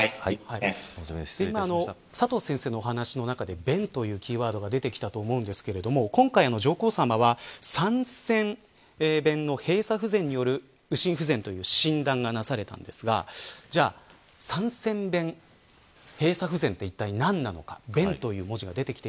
今、佐藤先生のお話の中で弁というキーワードが出てきたと思うんですが今回、上皇さまは三尖弁の閉鎖不全による右心不全という診断がなされたんですがじゃあ、三尖弁閉鎖不全っていったい何なのか。